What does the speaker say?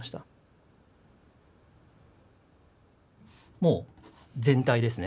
もう、全体ですね。